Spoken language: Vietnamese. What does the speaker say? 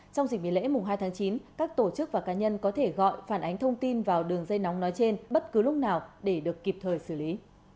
trong dịp nghỉ lễ mùng hai tháng chín các tổ chức và cá nhân có thể gọi phản ánh thông tin vào đường dây nóng nói trên bất cứ lúc nào để được kịp thời xử lý